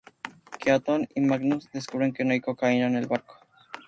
Keaton y McManus descubren que no hay cocaína en el barco.